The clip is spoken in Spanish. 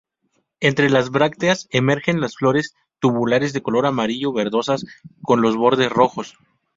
Entre las brácteas emergen las flores tubulares de color amarillo-verdosas, con los bordes rojos.